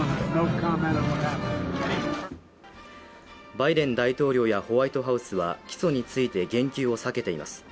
バイデン大統領やホワイトハウスは起訴について言及を避けています。